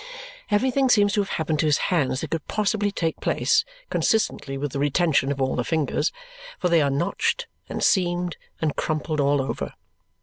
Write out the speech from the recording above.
Everything seems to have happened to his hands that could possibly take place consistently with the retention of all the fingers, for they are notched, and seamed, and crumpled all over.